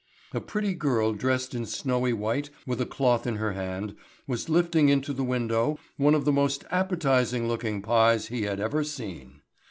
A pretty girl dressed in snowy white with a cloth in her hand was lifting into the window one of the most appetizing looking pies he had ever seen.